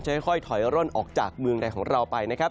ค่อยถอยร่นออกจากเมืองใดของเราไปนะครับ